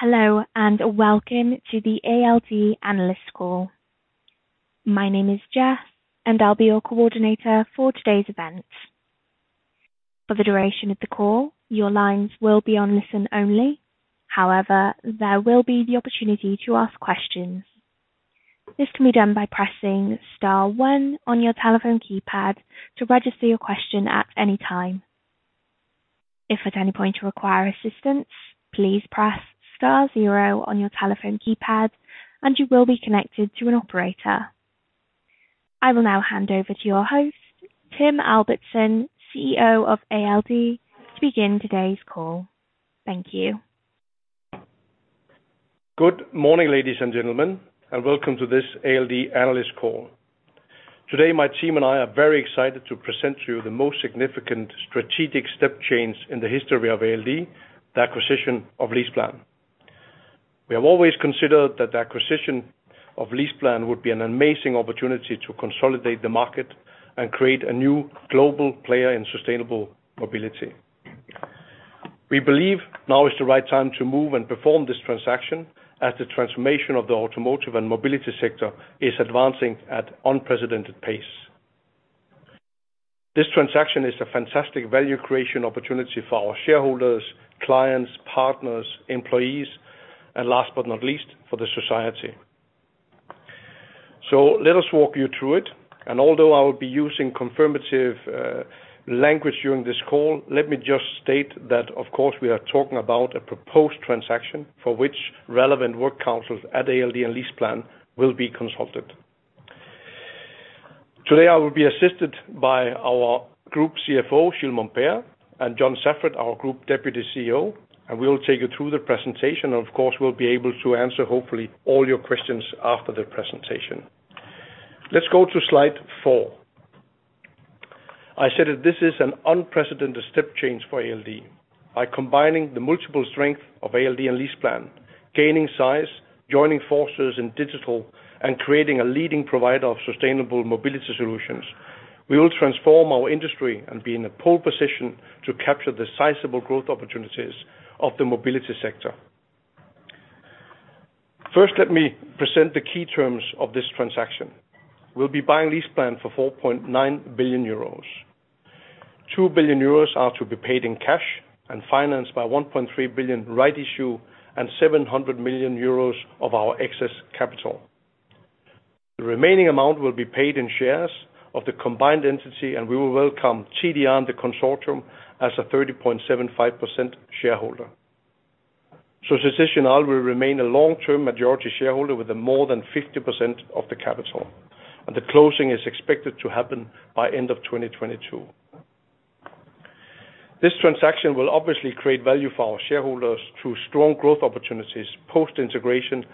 Hello, and welcome to the ALD Analyst Call. My name is Jess, and I'll be your coordinator for today's event. For the duration of the call, your lines will be on listen only. However, there will be the opportunity to ask questions. This can be done by pressing star one on your telephone keypad to register your question at any time. If at any point you require assistance, please press star zero on your telephone keypad, and you will be connected to an operator. I will now hand over to your host, Tim Albertsen, CEO of ALD, to begin today's call. Thank you. Good morning, ladies and gentlemen, and welcome to this ALD analyst call. Today, my team and I are very excited to present to you the most significant strategic step change in the history of ALD, the acquisition of LeasePlan. We have always considered that the acquisition of LeasePlan would be an amazing opportunity to consolidate the market and create a new global player in sustainable mobility. We believe now is the right time to move and perform this transaction, as the transformation of the automotive and mobility sector is advancing at unprecedented pace. This transaction is a fantastic value creation opportunity for our shareholders, clients, partners, employees, and last but not least, for the society. Let us walk you through it, and although I will be using confirmative language during this call, let me just state that, of course, we are talking about a proposed transaction for which relevant work councils at ALD and LeasePlan will be consulted. Today, I will be assisted by our Group CFO, Gilles Momper, and John Saffrett, our Group Deputy CEO, and we'll take you through the presentation. Of course, we'll be able to answer, hopefully, all your questions after the presentation. Let's go to slide 4. I said that this is an unprecedented step change for ALD. By combining the multiple strength of ALD and LeasePlan, gaining size, joining forces in digital, and creating a leading provider of sustainable mobility solutions, we will transform our industry and be in a pole position to capture the sizable growth opportunities of the mobility sector. First, let me present the key terms of this transaction. We'll be buying LeasePlan for 4.9 billion euros. 2 billion euros are to be paid in cash and financed by 1.3 billion rights issue and 700 million euros of our excess capital. The remaining amount will be paid in shares of the combined entity, and we will welcome TDR and the consortium as a 30.75% shareholder. Société Générale will remain a long-term majority shareholder with more than 50% of the capital, and the closing is expected to happen by end of 2022. This transaction will obviously create value for our shareholders through strong growth opportunities, post-integration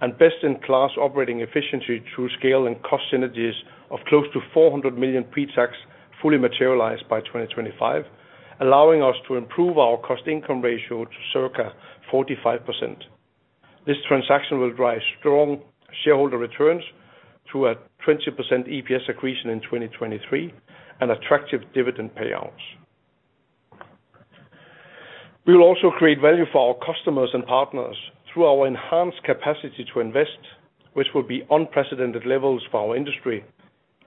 and best-in-class operating efficiency through scale and cost synergies of close to 400 million pre-tax, fully materialized by 2025, allowing us to improve our cost-to-income ratio to circa 45%. This transaction will drive strong shareholder returns through a 20% EPS accretion in 2023 and attractive dividend payouts. We will also create value for our customers and partners through our enhanced capacity to invest, which will be unprecedented levels for our industry,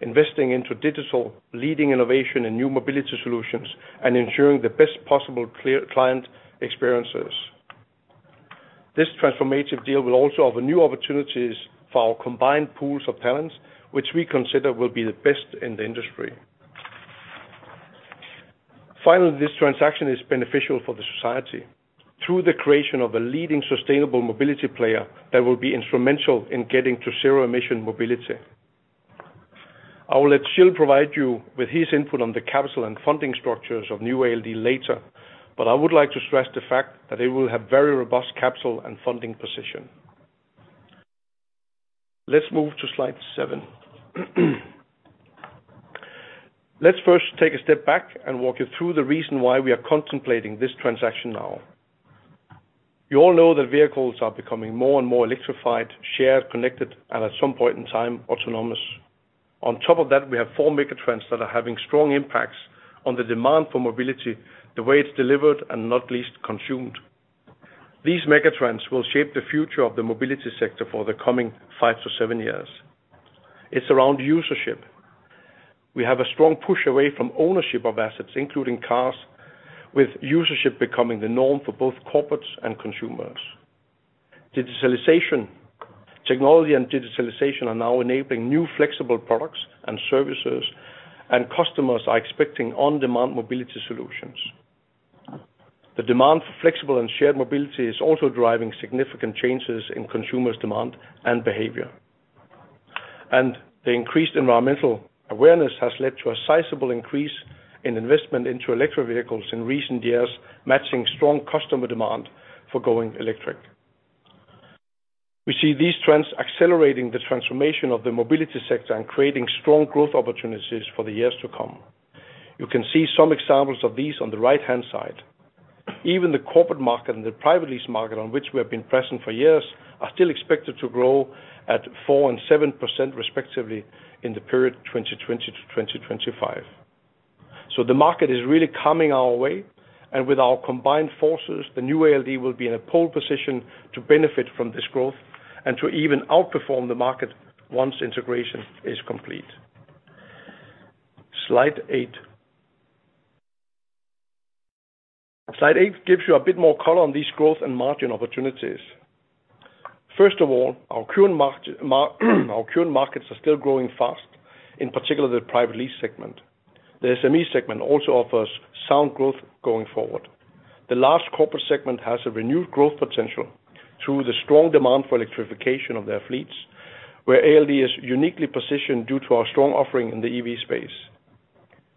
investing into digital, leading innovation and new mobility solutions, and ensuring the best possible clear client experiences. This transformative deal will also offer new opportunities for our combined pools of talents, which we consider will be the best in the industry. Finally, this transaction is beneficial for the society through the creation of a leading sustainable mobility player that will be instrumental in getting to zero emission mobility. I will let Gilles provide you with his input on the capital and funding structures of NewALD later, but I would like to stress the fact that it will have very robust capital and funding position. Let's move to slide 7. Let's first take a step back and walk you through the reason why we are contemplating this transaction now. You all know that vehicles are becoming more and more electrified, shared, connected, and at some point in time, autonomous. On top of that, we have four megatrends that are having strong impacts on the demand for mobility, the way it's delivered, and not least consumed. These megatrends will shape the future of the mobility sector for the coming five to seven years. It's around usership. We have a strong push away from ownership of assets, including cars, with usership becoming the norm for both corporates and consumers. Digitalization. Technology and digitalization are now enabling new flexible products and services, and customers are expecting on-demand mobility solutions. The demand for flexible and shared mobility is also driving significant changes in consumers' demand and behavior. The increased environmental awareness has led to a sizable increase in investment into electric vehicles in recent years, matching strong customer demand for going electric. We see these trends accelerating the transformation of the mobility sector and creating strong growth opportunities for the years to come. You can see some examples of these on the right-hand side. Even the corporate market and the private lease market on which we have been present for years are still expected to grow at 4% and 7%, respectively, in the period 2020 to 2025. The market is really coming our way, and with our combined forces, the NewALD will be in a pole position to benefit from this growth and to even outperform the market once integration is complete. Slide eight. Slide eight gives you a bit more color on these growth and margin opportunities. First of all, our current markets are still growing fast, in particular the private lease segment. The SME segment also offers sound growth going forward. The last corporate segment has a renewed growth potential through the strong demand for electrification of their fleets, where ALD is uniquely positioned due to our strong offering in the EV space.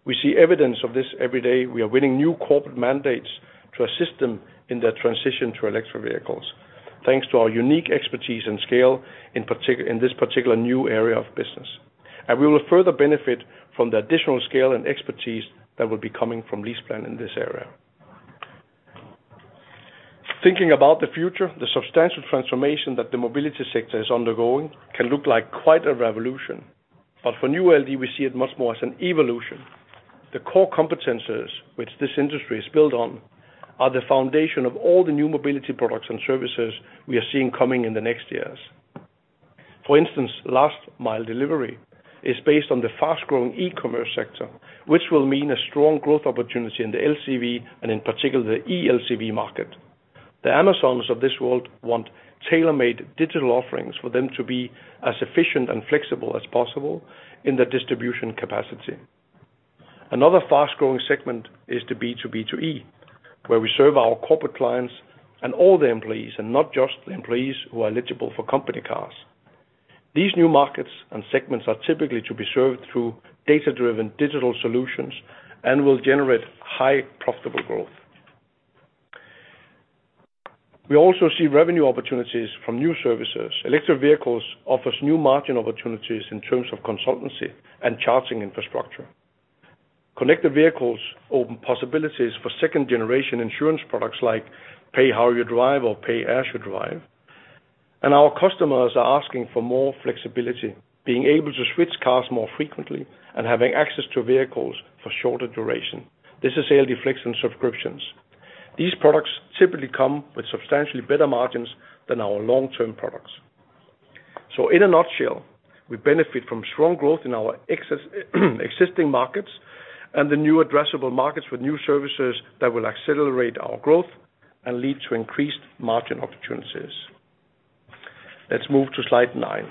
We see evidence of this every day. We are winning new corporate mandates to assist them in their transition to electric vehicles, thanks to our unique expertise and scale in this particular new area of business. We will further benefit from the additional scale and expertise that will be coming from LeasePlan in this area. Thinking about the future, the substantial transformation that the mobility sector is undergoing can look like quite a revolution. For NewALD, we see it much more as an evolution. The core competencies which this industry is built on are the foundation of all the new mobility products and services we are seeing coming in the next years. For instance, last mile delivery is based on the fast-growing e-commerce sector, which will mean a strong growth opportunity in the LCV and in particular the eLCV market. The Amazons of this world want tailormade digital offerings for them to be as efficient and flexible as possible in their distribution capacity. Another fast-growing segment is the B to B to E, where we serve our corporate clients and all the employees, and not just the employees who are eligible for company cars. These new markets and segments are typically to be served through data-driven digital solutions and will generate high profitable growth. We also see revenue opportunities from new services. Electric vehicles offer new margin opportunities in terms of consultancy and charging infrastructure. Connected vehicles open possibilities for second generation insurance products like pay how you drive or pay as you drive. Our customers are asking for more flexibility, being able to switch cars more frequently and having access to vehicles for shorter duration. This is ALD Flex and subscriptions. These products typically come with substantially better margins than our long-term products. In a nutshell, we benefit from strong growth in our existing markets and the new addressable markets with new services that will accelerate our growth and lead to increased margin opportunities. Let's move to slide nine.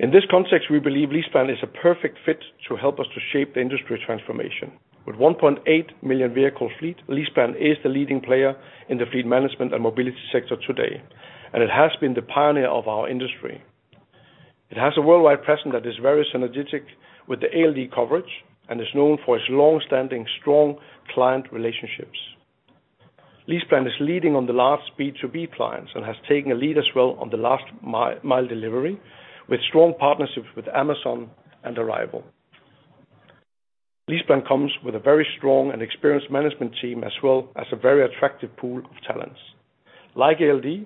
In this context, we believe LeasePlan is a perfect fit to help us to shape the industry transformation. With a 1.8 million vehicle fleet, LeasePlan is the leading player in the fleet management and mobility sector today, and it has been the pioneer of our industry. It has a worldwide presence that is very synergetic with the ALD coverage and is known for its long-standing, strong client relationships. LeasePlan is leading on the large B2B clients and has taken a lead as well on the last-mile delivery with strong partnerships with Amazon and Arrival. LeasePlan comes with a very strong and experienced management team, as well as a very attractive pool of talents. Like ALD,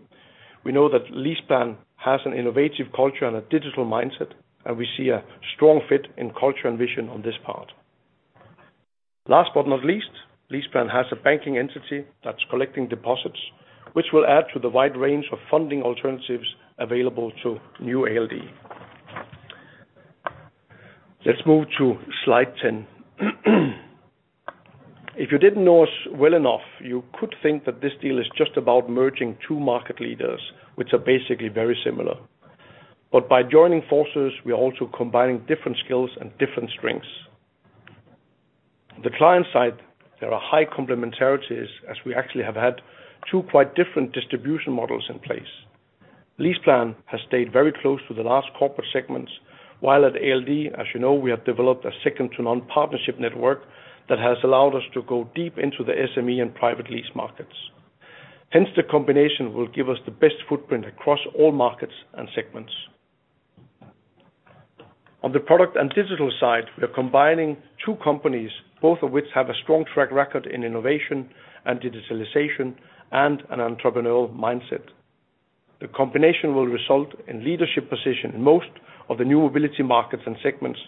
we know that LeasePlan has an innovative culture and a digital mindset, and we see a strong fit in culture and vision on this part. Last but not least, LeasePlan has a banking entity that's collecting deposits which will add to the wide range of funding alternatives available to NewALD. Let's move to slide 10. If you didn't know us well enough, you could think that this deal is just about merging two market leaders, which are basically very similar. By joining forces, we are also combining different skills and different strengths. The client side, there are high complementarities as we actually have had two quite different distribution models in place. LeasePlan has stayed very close to the last corporate segments, while at ALD, as you know, we have developed a second to none partnership network that has allowed us to go deep into the SME and private lease markets. Hence, the combination will give us the best footprint across all markets and segments. On the product and digital side, we are combining two companies, both of which have a strong track record in innovation and digitalization and an entrepreneurial mindset. The combination will result in leadership position in most of the new mobility markets and segments,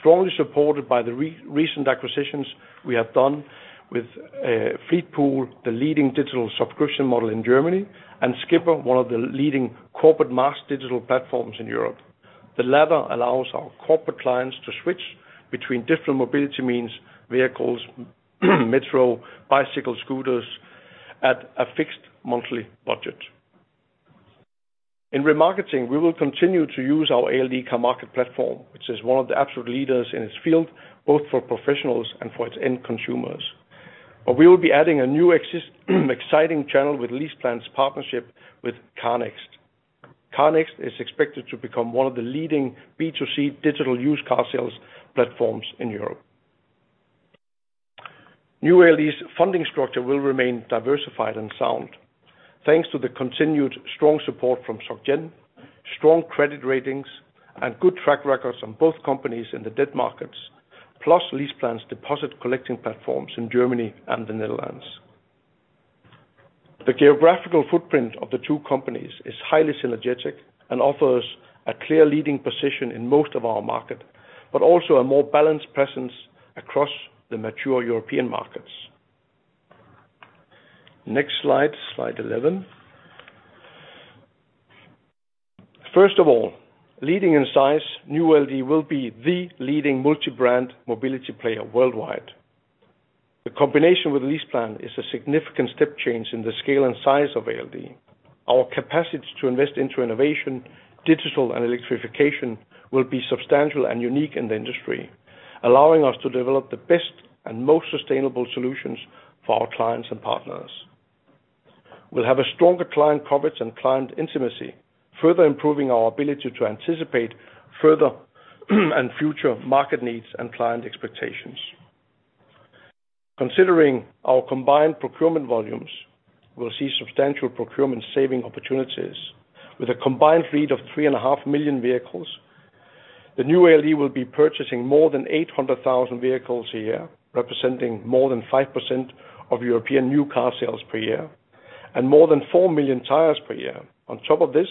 strongly supported by the recent acquisitions we have done with Fleetpool, the leading digital subscription model in Germany, and Skipr, one of the leading corporate mobility digital platforms in Europe. The latter allows our corporate clients to switch between different mobility means, vehicles, metro, bicycle, scooters at a fixed monthly budget. In remarketing, we will continue to use our ALD Carmarket platform, which is one of the absolute leaders in its field, both for professionals and for its end consumers. We will be adding a new exciting channel with LeasePlan's partnership with CarNext. CarNext is expected to become one of the leading B2C digital used car sales platforms in Europe. NewALD's funding structure will remain diversified and sound, thanks to the continued strong support from SocGen, strong credit ratings, and good track records on both companies in the debt markets, plus LeasePlan's deposit collecting platforms in Germany and the Netherlands. The geographical footprint of the two companies is highly synergetic and offers a clear leading position in most of our market, but also a more balanced presence across the mature European markets. Next slide 11. First of all, leading in size, NewALD will be the leading multi-brand mobility player worldwide. The combination with LeasePlan is a significant step change in the scale and size of ALD. Our capacity to invest into innovation, digital and electrification will be substantial and unique in the industry, allowing us to develop the best and most sustainable solutions for our clients and partners. We'll have a stronger client coverage and client intimacy, further improving our ability to anticipate further and future market needs and client expectations. Considering our combined procurement volumes, we'll see substantial procurement saving opportunities with a combined fleet of 3.5 million vehicles. NewALD will be purchasing more than 800,000 vehicles a year, representing more than 5% of European new car sales per year and more than 4 million tires per year. On top of this,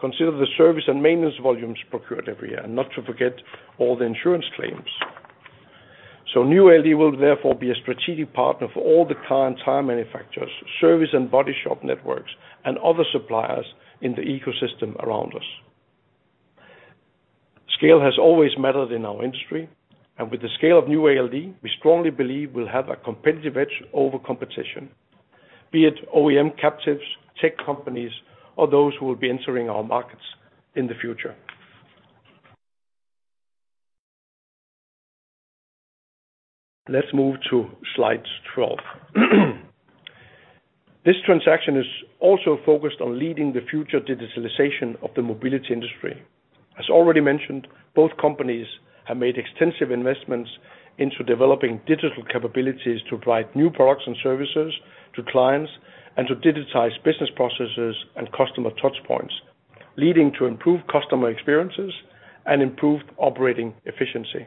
consider the service and maintenance volumes procured every year and not to forget all the insurance claims. NewALD will therefore be a strategic partner for all the car and tire manufacturers, service and body shop networks, and other suppliers in the ecosystem around us. Scale has always mattered in our industry, and with the scale of NewALD, we strongly believe we'll have a competitive edge over competition, be it OEM captives, tech companies, or those who will be entering our markets in the future. Let's move to slide 12. This transaction is also focused on leading the future digitalization of the mobility industry. As already mentioned, both companies have made extensive investments into developing digital capabilities to provide new products and services to clients and to digitize business processes and customer touch points, leading to improved customer experiences and improved operating efficiency.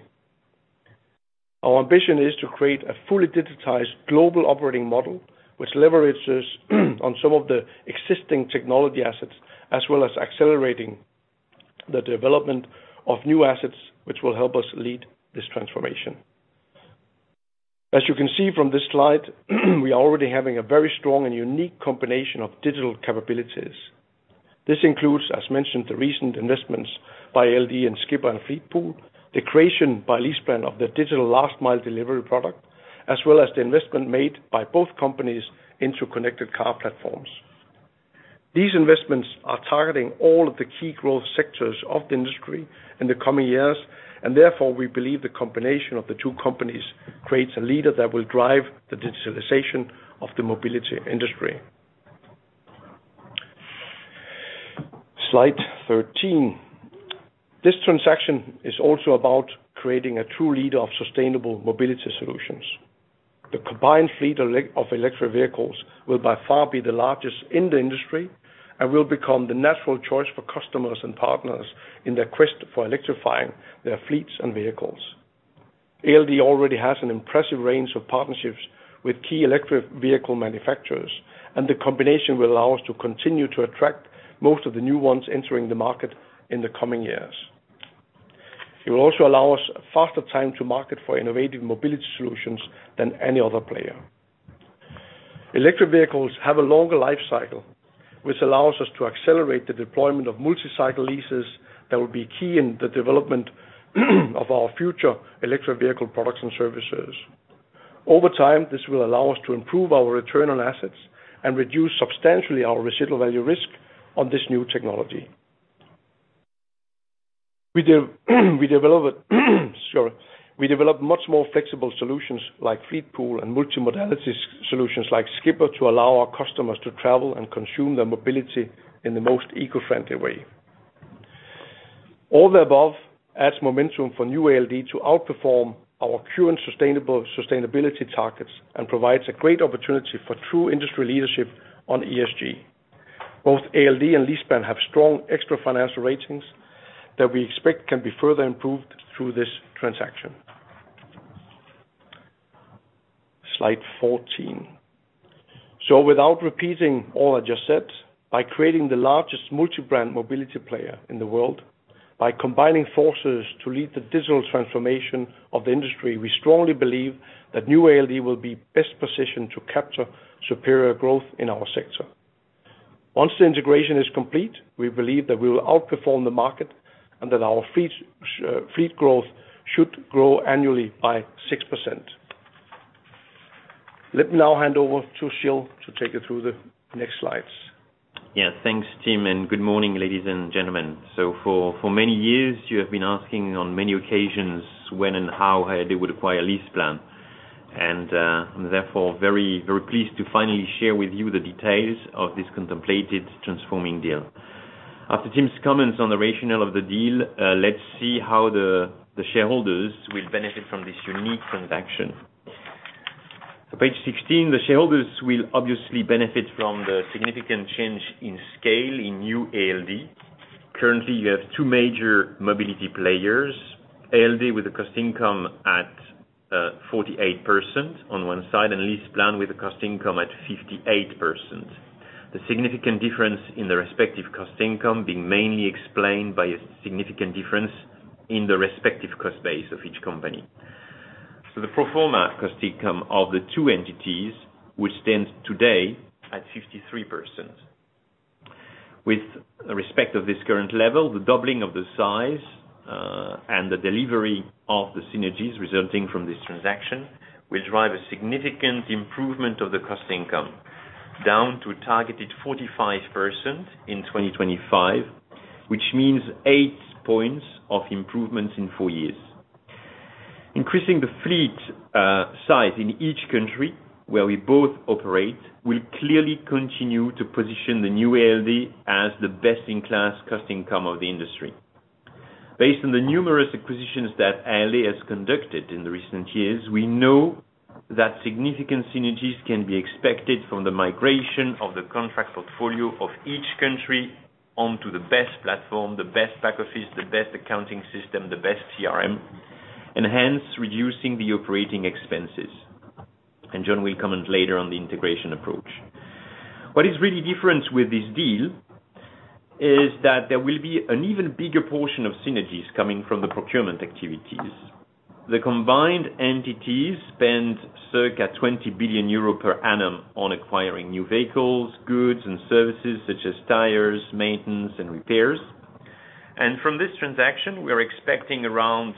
Our ambition is to create a fully digitized global operating model which leverages on some of the existing technology assets, as well as accelerating the development of new assets, which will help us lead this transformation. As you can see from this slide, we are already having a very strong and unique combination of digital capabilities. This includes, as mentioned, the recent investments by ALD and Skipr and Fleetpool, the creation by LeasePlan of the digital last mile delivery product, as well as the investment made by both companies into connected car platforms. These investments are targeting all of the key growth sectors of the industry in the coming years, and therefore, we believe the combination of the two companies creates a leader that will drive the digitalization of the mobility industry. Slide 13. This transaction is also about creating a true leader of sustainable mobility solutions. The combined fleet of electric vehicles will by far be the largest in the industry and will become the natural choice for customers and partners in their quest for electrifying their fleets and vehicles. ALD already has an impressive range of partnerships with key electric vehicle manufacturers, and the combination will allow us to continue to attract most of the new ones entering the market in the coming years. It will also allow us a faster time to market for innovative mobility solutions than any other player. Electric vehicles have a longer life cycle, which allows us to accelerate the deployment of multi-cycle leases that will be key in the development of our future electric vehicle products and services. Over time, this will allow us to improve our return on assets and reduce substantially our residual value risk on this new technology. We developed, sorry. We developed much more flexible solutions like Fleetpool and multimodality solutions like Skipr to allow our customers to travel and consume their mobility in the most eco-friendly way. All the above adds momentum for NewALD to outperform our current sustainability targets and provides a great opportunity for true industry leadership on ESG. Both ALD and LeasePlan have strong extra financial ratings that we expect can be further improved through this transaction. Slide 14. Without repeating all I just said, by creating the largest multi-brand mobility player in the world, by combining forces to lead the digital transformation of the industry, we strongly believe that NewALD will be best positioned to capture superior growth in our sector. Once the integration is complete, we believe that we will outperform the market and that our fleet growth should grow annually by 6%. Let me now hand over to Gilles to take you through the next slides. Yeah. Thanks, Tim, and good morning, ladies and gentlemen. For many years, you have been asking on many occasions when and how ALD would acquire LeasePlan, and I'm therefore very, very pleased to finally share with you the details of this contemplated transforming deal. After Tim's comments on the rationale of the deal, let's see how the shareholders will benefit from this unique transaction. Page 16, the shareholders will obviously benefit from the significant change in scale in NewALD. Currently, you have two major mobility players, ALD with a cost income at 48% on one side, and LeasePlan with a cost income at 58%. The significant difference in the respective cost income being mainly explained by a significant difference in the respective cost base of each company. The pro forma cost income of the two entities will stand today at 53%. With respect to this current level, the doubling of the size, and the delivery of the synergies resulting from this transaction will drive a significant improvement of the cost income, down to a targeted 45% in 2025, which means 8 points of improvements in four years. Increasing the fleet size in each country where we both operate will clearly continue to position the NewALD as the best-in-class cost income of the industry. Based on the numerous acquisitions that ALD has conducted in the recent years, we know that significant synergies can be expected from the migration of the contract portfolio of each country onto the best platform, the best back office, the best accounting system, the best CRM, and hence reducing the operating expenses. John will comment later on the integration approach. What is really different with this deal is that there will be an even bigger portion of synergies coming from the procurement activities. The combined entities spend circa 20 billion euro per annum on acquiring new vehicles, goods and services such as tires, maintenance and repairs. From this transaction, we are expecting around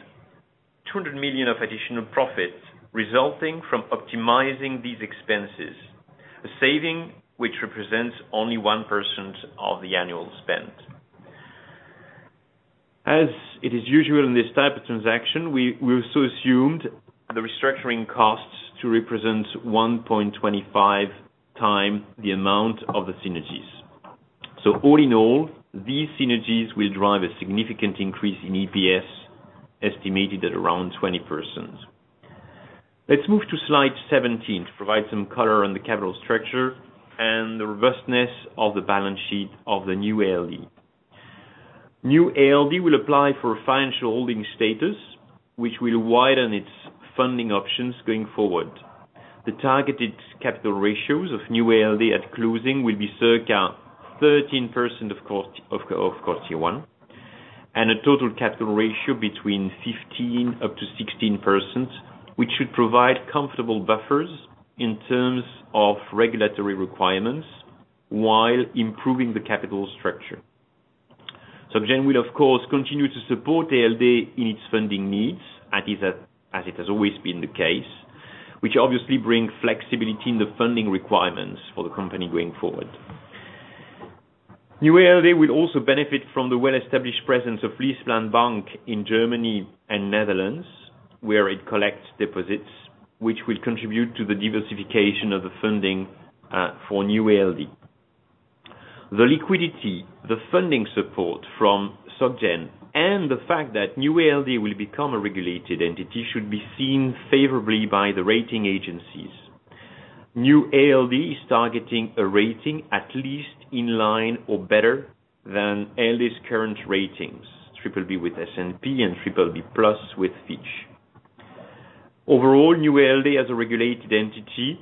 200 million of additional profits resulting from optimizing these expenses, a saving which represents only 1% of the annual spend. As it is usual in this type of transaction, we also assumed the restructuring costs to represent 1.25x the amount of the synergies. All in all, these synergies will drive a significant increase in EPS estimated at around 20%. Let's move to slide 17 to provide some color on the capital structure and the robustness of the balance sheet of NewALD. NewALD will apply for a financial holding status, which will widen its funding options going forward. The targeted capital ratios of NewALD at closing will be circa 13% of course tier one, and a total capital ratio between 15%-16%, which should provide comfortable buffers in terms of regulatory requirements while improving the capital structure. SocGen will of course continue to support ALD in its funding needs, as it has always been the case, which obviously brings flexibility in the funding requirements for the company going forward. NewALD will also benefit from the well-established presence of LeasePlan Bank in Germany and Netherlands, where it collects deposits, which will contribute to the diversification of the funding for NewALD. The liquidity, the funding support from SocGen, and the fact that NewALD will become a regulated entity should be seen favorably by the rating agencies. NewALD is targeting a rating at least in line or better than ALD's current ratings, BBB with S&P and BBB+ with Fitch. Overall, NewALD as a regulated entity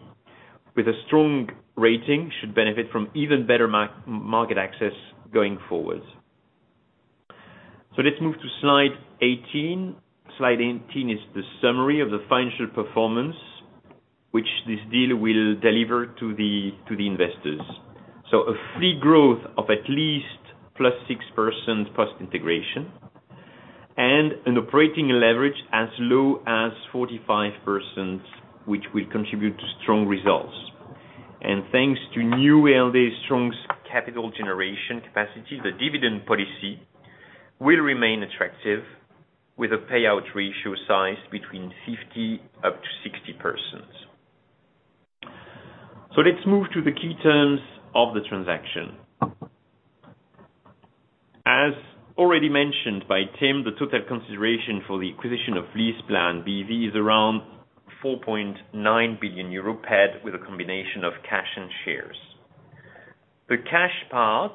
with a strong rating should benefit from even better market access going forward. Let's move to slide 18. Slide 18 is the summary of the financial performance which this deal will deliver to the investors. A free growth of at least +6% post-integration and an operating leverage as low as 45%, which will contribute to strong results. Thanks to NewALD's strong capital generation capacity, the dividend policy will remain attractive with a payout ratio size between 50% up to 60%. Let's move to the key terms of the transaction. As already mentioned by Tim, the total consideration for the acquisition of LeasePlan B.V. is around 4.9 billion euro paid with a combination of cash and shares. The cash part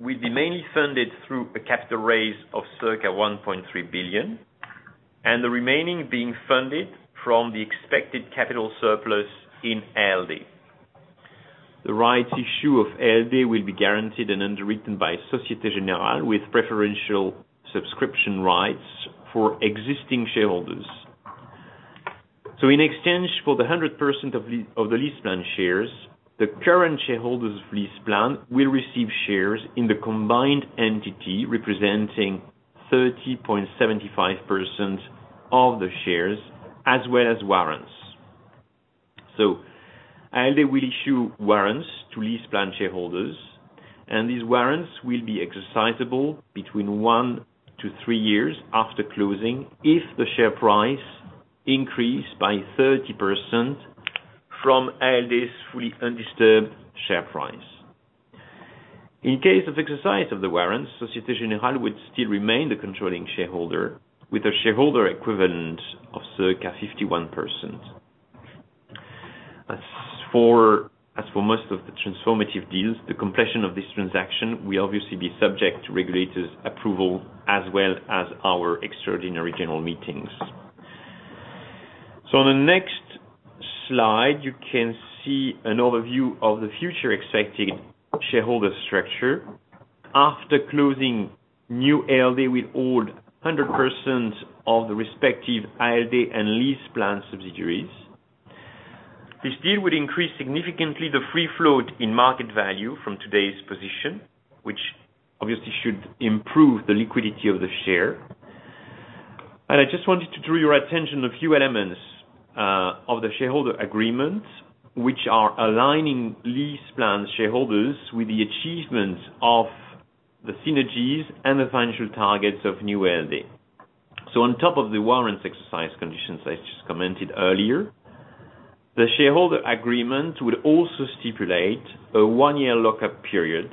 will be mainly funded through a capital raise of circa 1.3 billion, and the remaining being funded from the expected capital surplus in ALD. The rights issue of ALD will be guaranteed and underwritten by Société Générale with preferential subscription rights for existing shareholders. In exchange for the 100% of the LeasePlan shares, the current shareholders of LeasePlan will receive shares in the combined entity, representing 30.75% of the shares as well as warrants. ALD will issue warrants to LeasePlan shareholders, and these warrants will be exercisable between one to three years after closing if the share price increased by 30% from ALD's fully undisturbed share price. In case of exercise of the warrants, Société Générale would still remain the controlling shareholder with a shareholder equivalent of circa 51%. As for most of the transformative deals, the completion of this transaction will obviously be subject to regulators' approval as well as our extraordinary general meetings. On the next slide, you can see an overview of the future expected shareholder structure. After closing, NewALD will hold 100% of the respective ALD and LeasePlan subsidiaries. This deal would increase significantly the free float in market value from today's position, which obviously should improve the liquidity of the share. I just wanted to draw your attention to a few elements of the shareholder agreement, which are aligning LeasePlan shareholders with the achievements of the synergies and the financial targets of NewALD. On top of the warrants exercise conditions I just commented earlier, the shareholder agreement will also stipulate a one-year lock-up period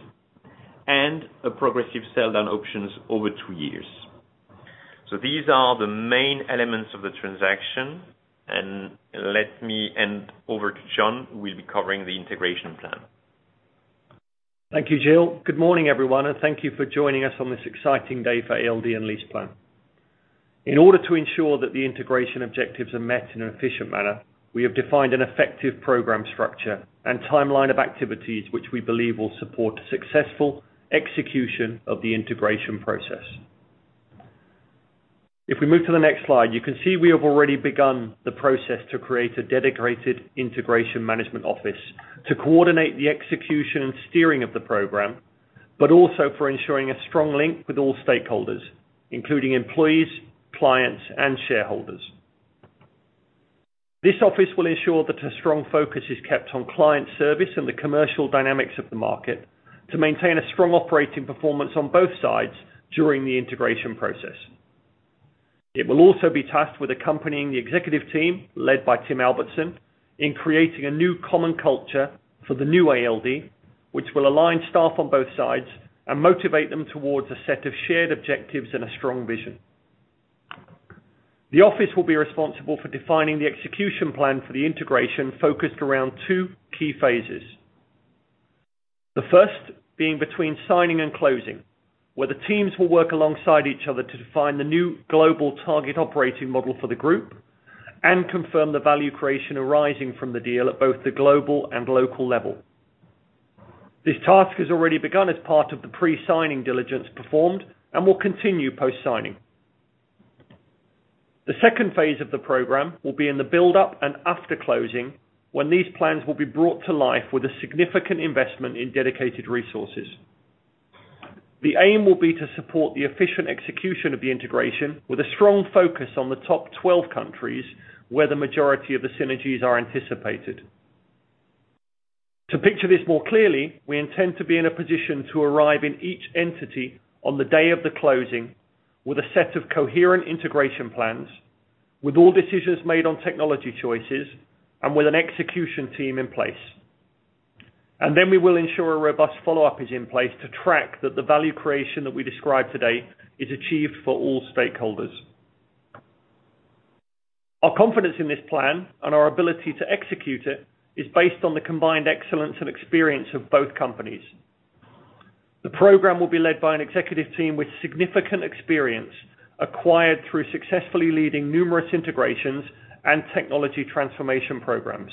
and a progressive sell-down options over two years. These are the main elements of the transaction, and let me hand over to John, who will be covering the integration plan. Thank you, Gilles. Good morning, everyone, and thank you for joining us on this exciting day for ALD and LeasePlan. In order to ensure that the integration objectives are met in an efficient manner, we have defined an effective program structure and timeline of activities which we believe will support successful execution of the integration process. If we move to the next slide, you can see we have already begun the process to create a dedicated integration management office to coordinate the execution and steering of the program, but also for ensuring a strong link with all stakeholders, including employees, clients, and shareholders. This office will ensure that a strong focus is kept on client service and the commercial dynamics of the market to maintain a strong operating performance on both sides during the integration process. It will also be tasked with accompanying the executive team, led by Tim Albertsen, in creating a new common culture for the NewALD, which will align staff on both sides and motivate them towards a set of shared objectives and a strong vision. The office will be responsible for defining the execution plan for the integration focused around two key phases. The first being between signing and closing, where the teams will work alongside each other to define the new global target operating model for the group and confirm the value creation arising from the deal at both the global and local level. This task has already begun as part of the pre-signing diligence performed and will continue post-signing. The second phase of the program will be in the build-up and after closing, when these plans will be brought to life with a significant investment in dedicated resources. The aim will be to support the efficient execution of the integration with a strong focus on the top 12 countries where the majority of the synergies are anticipated. To picture this more clearly, we intend to be in a position to arrive in each entity on the day of the closing with a set of coherent integration plans, with all decisions made on technology choices and with an execution team in place. We will ensure a robust follow-up is in place to track that the value creation that we described today is achieved for all stakeholders. Our confidence in this plan and our ability to execute it is based on the combined excellence and experience of both companies. The program will be led by an executive team with significant experience acquired through successfully leading numerous integrations and technology transformation programs.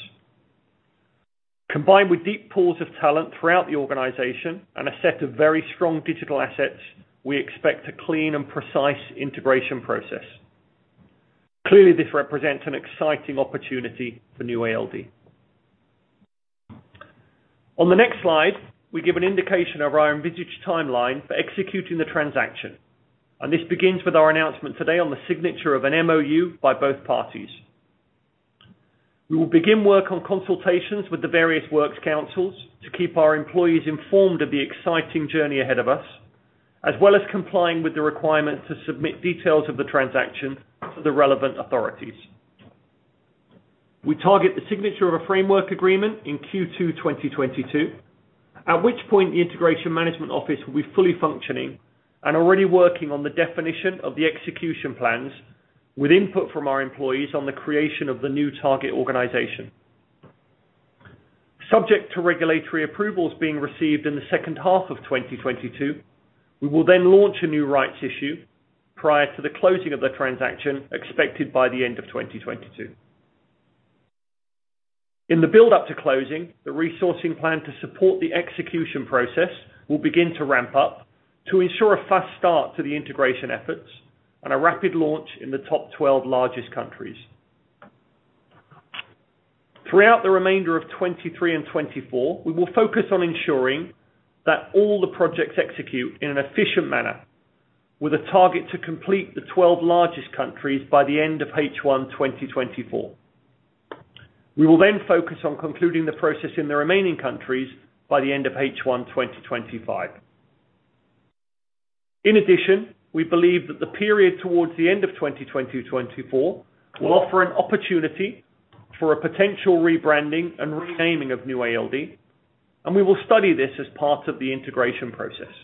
Combined with deep pools of talent throughout the organization and a set of very strong digital assets, we expect a clean and precise integration process. Clearly, this represents an exciting opportunity for NewALD. On the next slide, we give an indication of our envisaged timeline for executing the transaction, and this begins with our announcement today on the signature of an MOU by both parties. We will begin work on consultations with the various works councils to keep our employees informed of the exciting journey ahead of us, as well as complying with the requirement to submit details of the transaction to the relevant authorities. We target the signature of a framework agreement in Q2 2022, at which point the integration management office will be fully functioning and already working on the definition of the execution plans with input from our employees on the creation of the new target organization. Subject to regulatory approvals being received in the second half of 2022, we will then launch a new rights issue prior to the closing of the transaction expected by the end of 2022. In the build up to closing, the resourcing plan to support the execution process will begin to ramp up to ensure a fast start to the integration efforts and a rapid launch in the top 12 largest countries. Throughout the remainder of 2023 and 2024, we will focus on ensuring that all the projects execute in an efficient manner with a target to complete the 12 largest countries by the end of H1 2024. We will then focus on concluding the process in the remaining countries by the end of H1 2025. In addition, we believe that the period towards the end of 2020 to 2024 will offer an opportunity for a potential rebranding and renaming of NewALD, and we will study this as part of the integration process.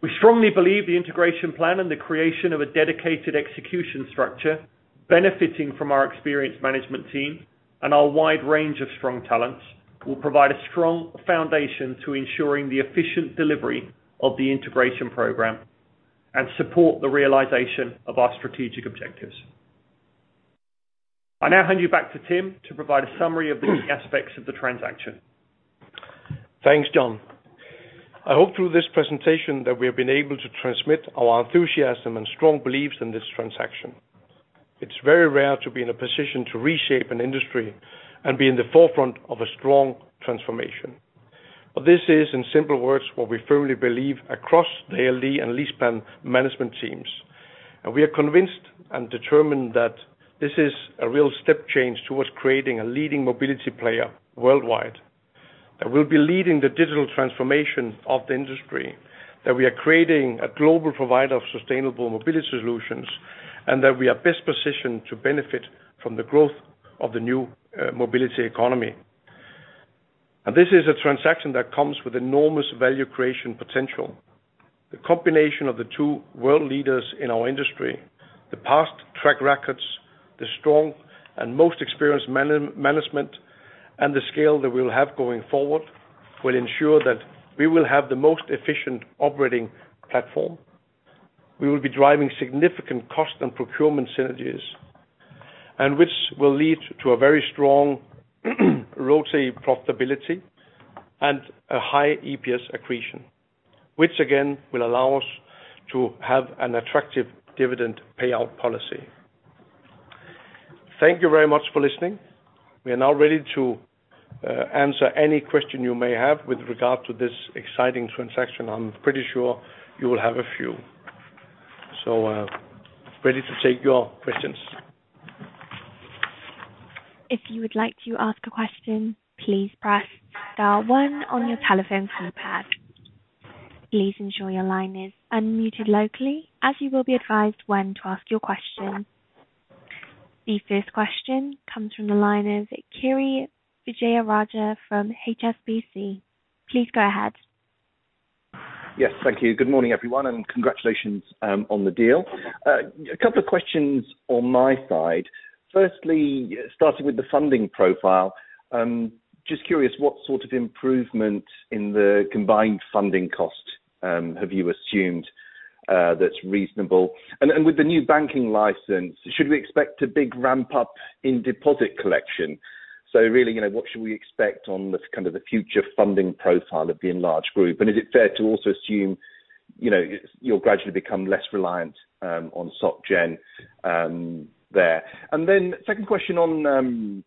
We strongly believe the integration plan and the creation of a dedicated execution structure benefiting from our experienced management team and our wide range of strong talents will provide a strong foundation to ensuring the efficient delivery of the integration program and support the realization of our strategic objectives. I now hand you back to Tim to provide a summary of the key aspects of the transaction. Thanks, John. I hope through this presentation that we have been able to transmit our enthusiasm and strong beliefs in this transaction. It's very rare to be in a position to reshape an industry and be in the forefront of a strong transformation. This is, in simple words, what we firmly believe across the ALD and LeasePlan management teams. We are convinced and determined that this is a real step change towards creating a leading mobility player worldwide, that we'll be leading the digital transformation of the industry, that we are creating a global provider of sustainable mobility solutions, and that we are best positioned to benefit from the growth of the new, mobility economy. This is a transaction that comes with enormous value creation potential. The combination of the two world leaders in our industry, the past track records, the strong and most experienced management, and the scale that we'll have going forward will ensure that we will have the most efficient operating platform. We will be driving significant cost and procurement synergies, which will lead to a very strong ROTCE profitability and a high EPS accretion, which again, will allow us to have an attractive dividend payout policy. Thank you very much for listening. We are now ready to answer any question you may have with regard to this exciting transaction. I'm pretty sure you will have a few. Ready to take your questions. If you would like to ask a question, please press star one on your telephone keypad. Please ensure your line is unmuted locally as you will be advised when to ask your question. The first question comes from the line of Kiri Vijayarajah from HSBC. Please go ahead. Yes, thank you. Good morning, everyone, and congratulations on the deal. A couple of questions on my side. Firstly, starting with the funding profile, just curious what sort of improvement in the combined funding cost have you assumed that's reasonable? With the new banking license, should we expect a big ramp-up in deposit collection? Really, you know, what should we expect on the kind of the future funding profile of the enlarged group? Is it fair to also assume, you know, you'll gradually become less reliant on SocGen there. Second question on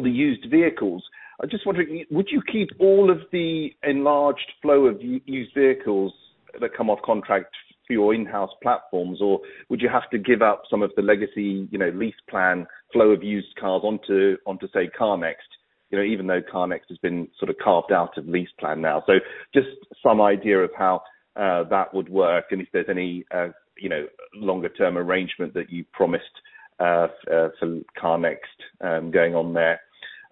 the used vehicles. I just wondering, would you keep all of the enlarged flow of used vehicles that come off contract to your in-house platforms? Would you have to give up some of the legacy, you know, LeasePlan flow of used cars onto, say, CarNext? You know, even though CarNext has been sort of carved out of LeasePlan now. Just some idea of how that would work and if there's any, you know, longer term arrangement that you promised to CarNext going on there.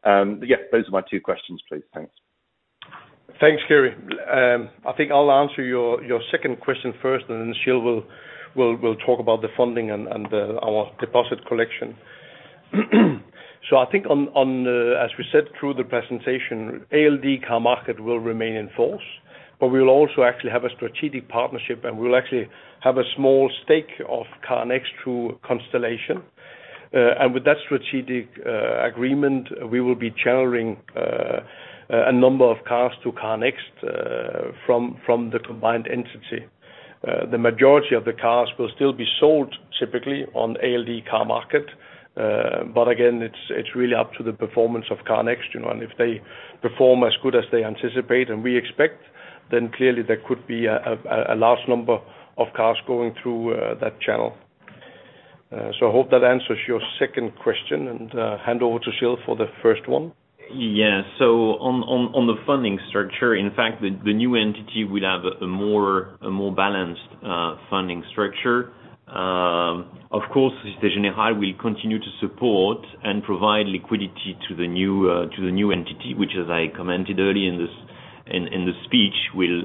Yeah, those are my two questions, please. Thanks. Thanks, Kiri. I think I'll answer your second question first, and then Gilles will talk about the funding and our deposit collection. I think on as we said through the presentation, ALD Carmarket will remain in force, but we'll also actually have a strategic partnership, and we'll actually have a small stake of CarNext through Constellation. And with that strategic agreement, we will be channeling a number of cars to CarNext from the combined entity. The majority of the cars will still be sold typically on ALD Carmarket. But again, it's really up to the performance of CarNext, you know. If they perform as good as they anticipate and we expect, then clearly there could be a large number of cars going through that channel. I hope that answers your second question and hand over to Gilles for the first one. On the funding structure, in fact, the new entity will have a more balanced funding structure. Of course, Société Générale will continue to support and provide liquidity to the new entity, which as I commented early in this speech, will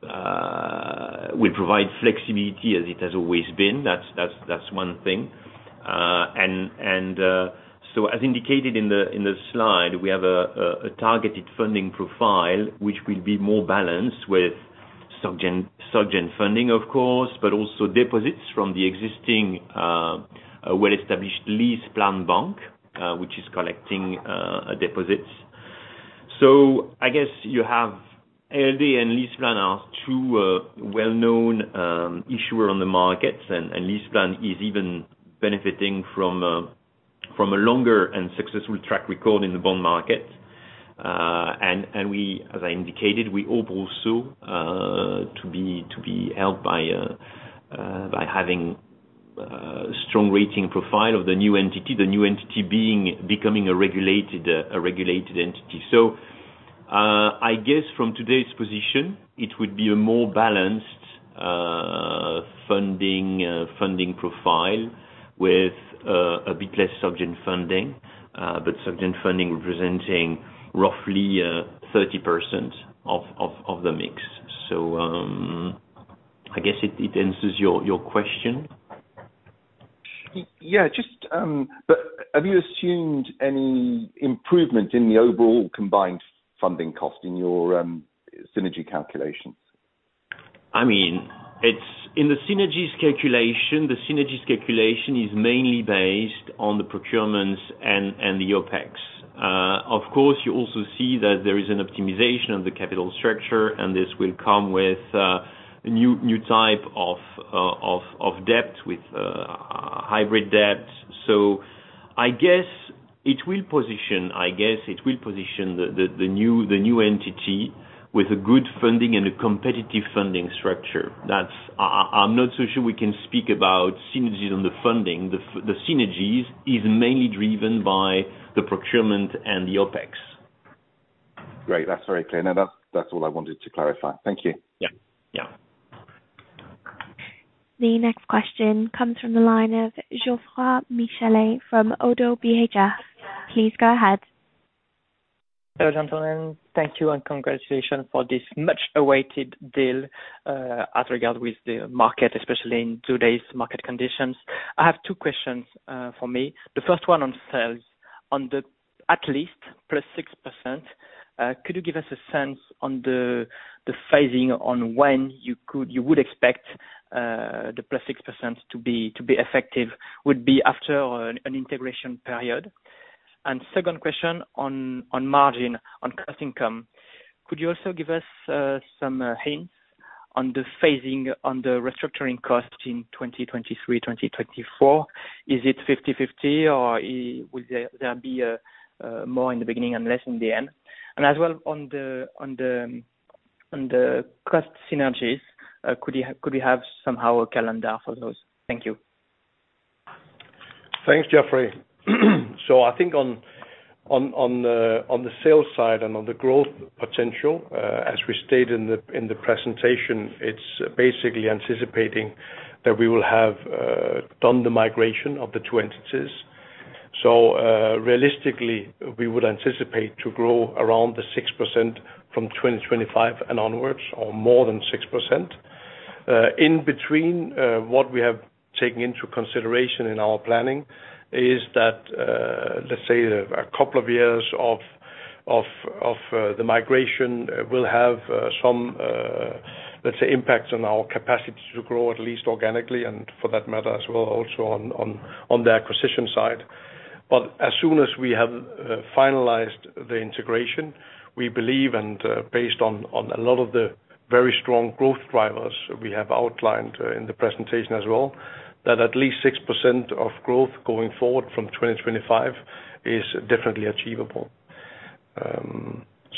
provide flexibility as it has always been. That's one thing. As indicated in the slide, we have a targeted funding profile, which will be more balanced with SocGen funding of course, but also deposits from the existing well-established LeasePlan Bank, which is collecting deposits. I guess you have ALD and LeasePlan are two well-known issuers on the markets, and LeasePlan is even benefiting from a longer and successful track record in the bond market. We, as I indicated, hope also to be helped by having strong rating profile of the new entity. The new entity becoming a regulated entity. I guess from today's position, it would be a more balanced funding profile with a bit less secured funding, but secured funding representing roughly 30% of the mix. I guess it answers your question. Yeah, just, have you assumed any improvement in the overall combined funding cost in your synergy calculations? I mean, it's in the synergies calculation, the synergies calculation is mainly based on the procurements and the OpEx. Of course, you also see that there is an optimization of the capital structure, and this will come with new type of debt with hybrid debt. I guess it will position the new entity with a good funding and a competitive funding structure. That's. I'm not so sure we can speak about synergies on the funding. The synergies is mainly driven by the procurement and the OpEx. Great. That's very clear. Now, that's all I wanted to clarify. Thank you. Yeah. Yeah. The next question comes from the line of Geoffroy Michalet from ODDO BHF. Please go ahead. Hello, gentlemen. Thank you and congratulations for this much awaited deal, as regards the market, especially in today's market conditions. I have two questions for me. The first one on sales. On the at least +6%, could you give us a sense on the phasing on when you would expect the +6% to be effective? Would it be after an integration period? Second question on margin, on cost income. Could you also give us some hints on the phasing on the restructuring costs in 2023, 2024? Is it 50/50 or will there be more in the beginning and less in the end? As well on the cost synergies, could we have somehow a calendar for those? Thank you. Thanks, Geoffroy. I think on the sales side and on the growth potential, as we stated in the presentation, it's basically anticipating that we will have done the migration of the two entities. Realistically, we would anticipate to grow around the 6% from 2025 and onwards or more than 6%. In between, what we have taken into consideration in our planning is that, let's say a couple of years of the migration will have some, let's say, impacts on our capacity to grow at least organically, and for that matter as well also on the acquisition side. As soon as we have finalized the integration, we believe, and based on a lot of the very strong growth drivers we have outlined in the presentation as well, that at least 6% of growth going forward from 2025 is definitely achievable.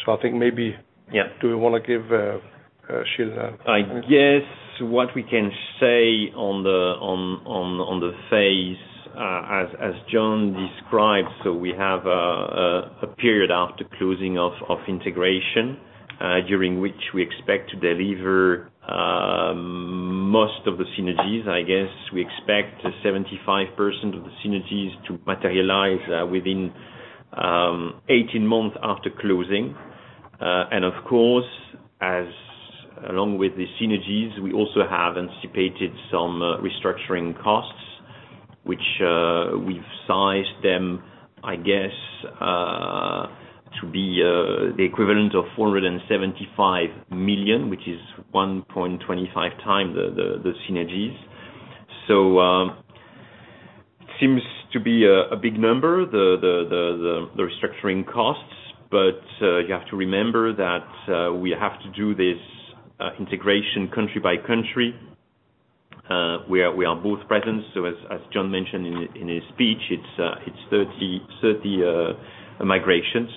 I think maybe- Yeah. Do you wanna give Gilles a- I guess what we can say on the phase as John described. We have a period after closing of integration during which we expect to deliver most of the synergies. I guess we expect 75% of the synergies to materialize within 18 months after closing. Of course, along with the synergies, we also have anticipated some restructuring costs, which we've sized them, I guess, to be the equivalent of 475 million, which is 1.25x the synergies. Seems to be a big number, the restructuring costs, but you have to remember that we have to do this integration country by country. We are both present. As John mentioned in his speech, it's 30 migrations.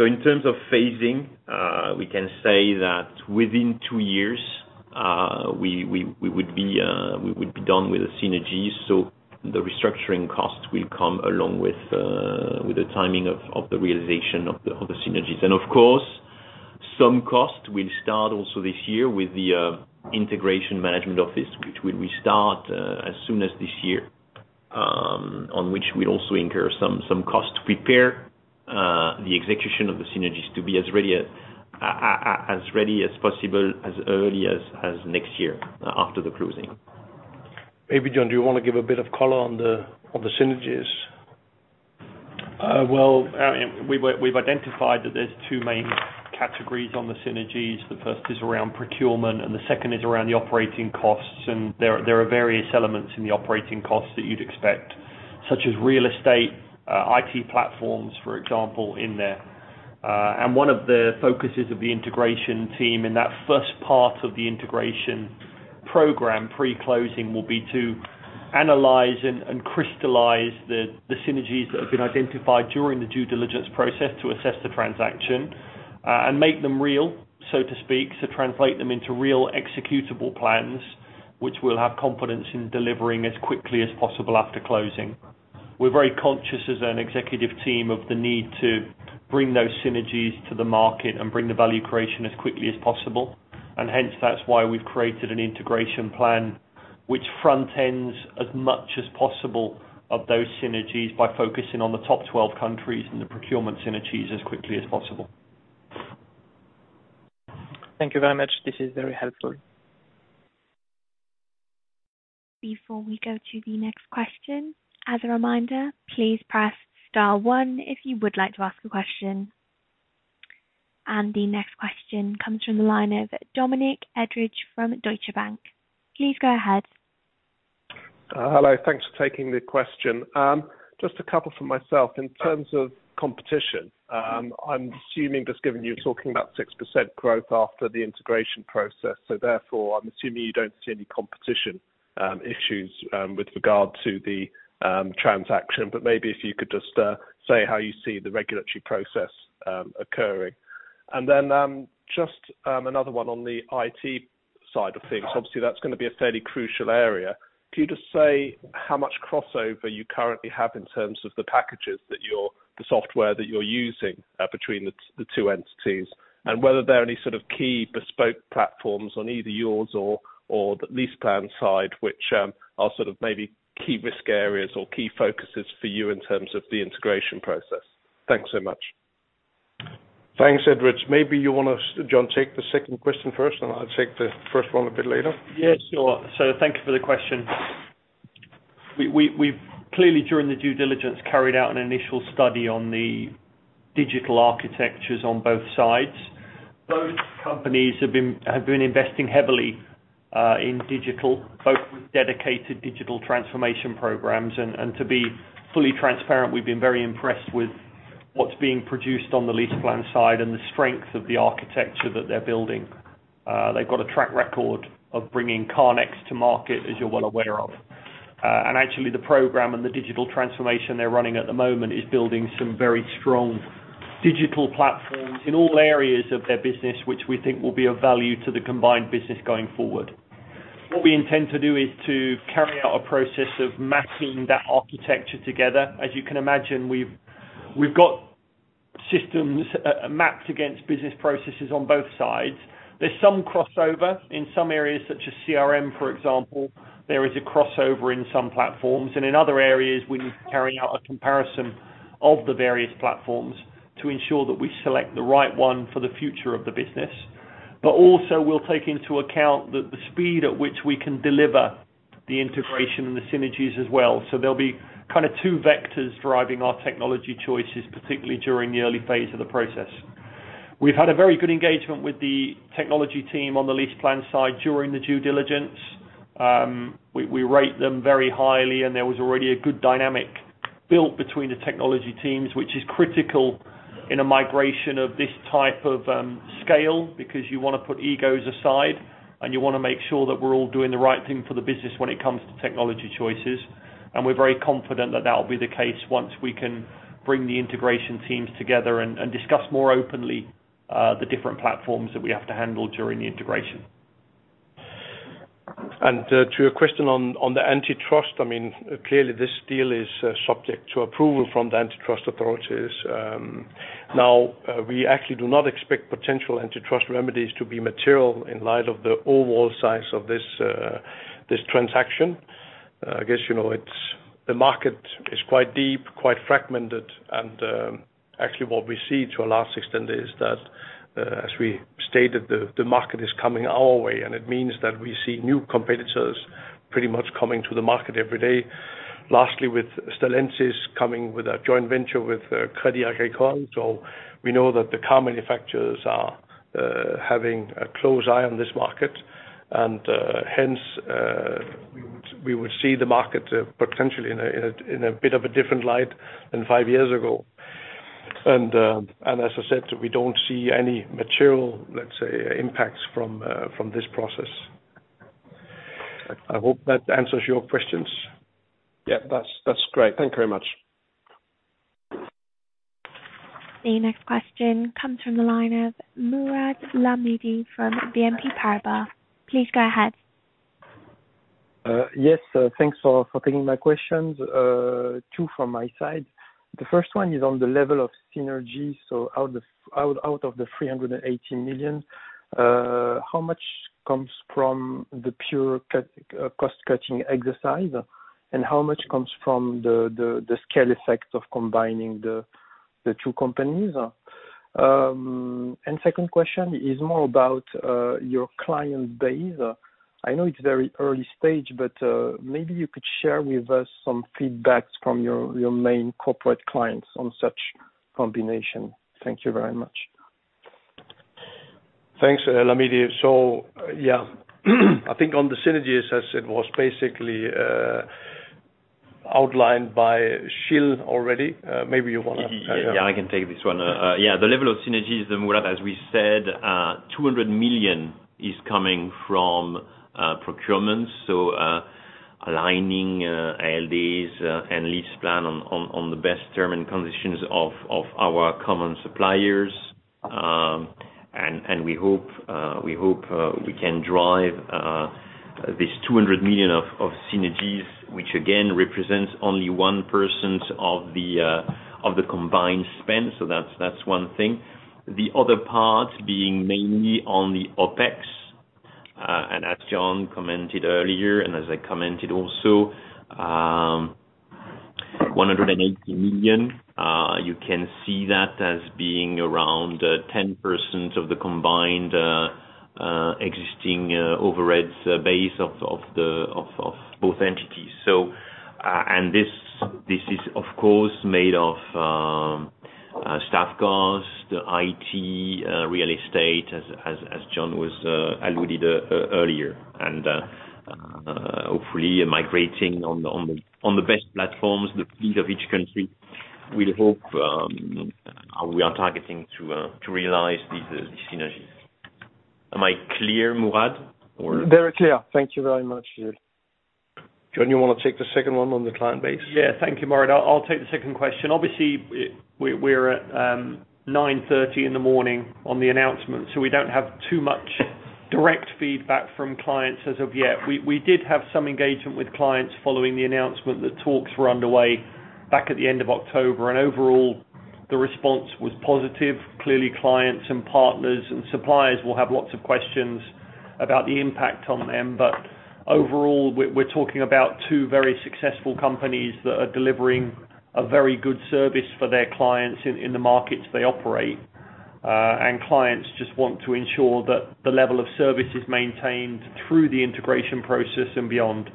In terms of phasing, we can say that within two years, we would be done with the synergies. The restructuring costs will come along with the timing of the realization of the synergies. Of course, some costs will start also this year with the integration management office, which will restart as soon as this year, on which we'll also incur some costs to prepare the execution of the synergies to be as ready as possible as early as next year after the closing. Maybe, John, do you wanna give a bit of color on the synergies? Well, we've identified that there are two main categories on the synergies. The first is around procurement, and the second is around the operating costs. There are various elements in the operating costs that you'd expect, such as real estate, IT platforms, for example, in there. One of the focuses of the integration team in that first part of the integration program pre-closing will be to analyze and crystallize the synergies that have been identified during the due diligence process to assess the transaction, and make them real, so to speak. Translate them into real executable plans, which we'll have confidence in delivering as quickly as possible after closing. We're very conscious as an executive team of the need to bring those synergies to the market and bring the value creation as quickly as possible. Hence, that's why we've created an integration plan which front ends as much as possible of those synergies by focusing on the top 12 countries and the procurement synergies as quickly as possible. Thank you very much. This is very helpful. Before we go to the next question. As a reminder, please press star one if you would like to ask a question. The next question comes from the line of Dominic Edridge from Deutsche Bank. Please go ahead. Hello. Thanks for taking the question. Just a couple from myself. In terms of competition, I'm assuming that given you're talking about 6% growth after the integration process, so therefore I'm assuming you don't see any competition issues with regard to the transaction. Maybe if you could just say how you see the regulatory process occurring. Just another one on the IT side of things. Obviously, that's gonna be a fairly crucial area. Could you just say how much crossover you currently have in terms of the software that you're using between the two entities, and whether there are any sort of key bespoke platforms on either yours or the LeasePlan side, which are sort of maybe key risk areas or key focuses for you in terms of the integration process? Thanks so much. Thanks, Edridge. Maybe you wanna, John, take the second question first, and I'll take the first one a bit later. Yeah, sure. Thank you for the question. We have clearly during the due diligence carried out an initial study on the digital architectures on both sides. Both companies have been investing heavily in digital, both with dedicated digital transformation programs. To be fully transparent, we've been very impressed with what's being produced on the LeasePlan side and the strength of the architecture that they're building. They've got a track record of bringing CarNext to market, as you're well aware of. Actually, the program and the digital transformation they're running at the moment is building some very strong digital platforms in all areas of their business, which we think will be of value to the combined business going forward. What we intend to do is to carry out a process of mapping that architecture together. As you can imagine, we've got systems mapped against business processes on both sides. There's some crossover. In some areas, such as CRM, for example, there is a crossover in some platforms. In other areas, we need to carry out a comparison of the various platforms to ensure that we select the right one for the future of the business. Also we'll take into account the speed at which we can deliver the integration and the synergies as well. There'll be kind of two vectors driving our technology choices, particularly during the early phase of the process. We've had a very good engagement with the technology team on the LeasePlan side during the due diligence. We rate them very highly, and there was already a good dynamic built between the technology teams, which is critical in a migration of this type of scale because you wanna put egos aside and you wanna make sure that we're all doing the right thing for the business when it comes to technology choices. We're very confident that that will be the case once we can bring the integration teams together and discuss more openly the different platforms that we have to handle during the integration. To your question on the antitrust, I mean, clearly this deal is subject to approval from the antitrust authorities. Now, we actually do not expect potential antitrust remedies to be material in light of the overall size of this transaction. I guess, you know, it's the market is quite deep, quite fragmented, and actually what we see to a large extent is that, as we stated, the market is coming our way. It means that we see new competitors pretty much coming to the market every day. Lastly, with Stellantis coming with a joint venture with Crédit Agricole. We know that the car manufacturers are having a close eye on this market and hence we would see the market potentially in a bit of a different light than five years ago. As I said, we don't see any material, let's say, impacts from this process. I hope that answers your questions. Yeah. That's great. Thank you very much. The next question comes from the line of Mourad Lahmidi from BNP Paribas. Please go ahead. Yes. Thanks for taking my questions. Two from my side. The first one is on the level of synergy. Out of the 380 million, how much comes from the pure cost-cutting exercise? And how much comes from the scale effects of combining the two companies? And second question is more about your client base. I know it's very early stage, but maybe you could share with us some feedbacks from your main corporate clients on such combination. Thank you very much. Thanks, Lahmidi. Yeah. I think on the synergies, as it was basically outlined by Gilles already, maybe you wanna- Yeah, I can take this one. The level of synergies, then we'll have, as we said, 200 million is coming from procurement. Aligning ALD's and LeasePlan on the best terms and conditions of our common suppliers, and we hope we can drive this 200 million of synergies, which again represents only 1% of the combined spend. That's one thing. The other part being mainly on the OpEx. As John commented earlier, and as I commented also, 180 million, you can see that as being around 10% of the combined existing overheads base of both entities. This is, of course, made of staff costs, IT, real estate, as John alluded to earlier. Hopefully migrating on the best platforms the fleet of each country, we hope we are targeting to realize these synergies. Am I clear, Mourad? Or- Very clear. Thank you very much. John, you wanna take the second one on the client base? Yeah. Thank you, Mourad. I'll take the second question. Obviously, we're at 9:30 A.M. on the announcement, so we don't have too much direct feedback from clients as of yet. We did have some engagement with clients following the announcement that talks were underway back at the end of October, and overall the response was positive. Clearly, clients and partners and suppliers will have lots of questions about the impact on them. Overall, we're talking about two very successful companies that are delivering a very good service for their clients in the markets they operate. Clients just want to ensure that the level of service is maintained through the integration process and beyond.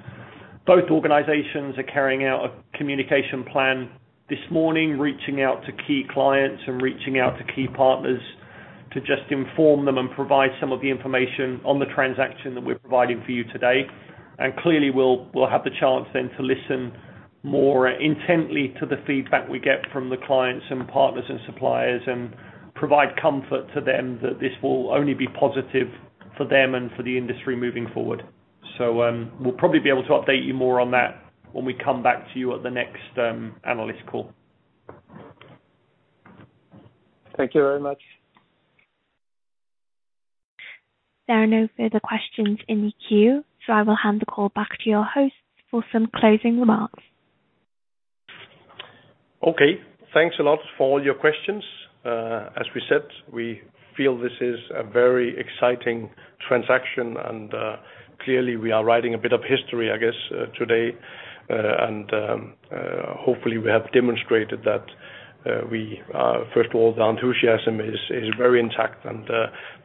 Both organizations are carrying out a communication plan this morning, reaching out to key clients and reaching out to key partners to just inform them and provide some of the information on the transaction that we're providing for you today. Clearly, we'll have the chance then to listen more intently to the feedback we get from the clients and partners and suppliers and provide comfort to them that this will only be positive for them and for the industry moving forward. We'll probably be able to update you more on that when we come back to you at the next analyst call. Thank you very much. There are no further questions in the queue, so I will hand the call back to your host for some closing remarks. Okay. Thanks a lot for all your questions. As we said, we feel this is a very exciting transaction and clearly we are writing a bit of history, I guess, today. Hopefully we have demonstrated that first of all, the enthusiasm is very intact and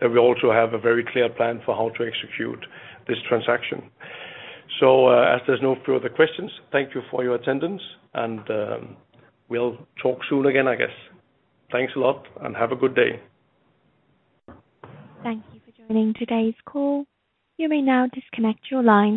that we also have a very clear plan for how to execute this transaction. As there's no further questions, thank you for your attendance and we'll talk soon again, I guess. Thanks a lot and have a good day. Thank you for joining today's call. You may now disconnect your line.